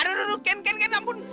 aduh ken ken ampun